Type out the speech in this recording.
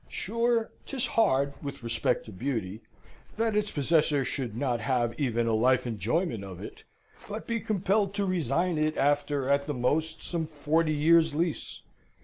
Sure, 'tis hard with respect to Beauty, that its possessor should not have even a life enjoyment of it, but be compelled to resign it after, at the most, some forty years' lease.